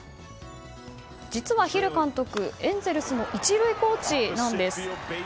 実はヒル監督エンゼルスの１塁コーチなんです。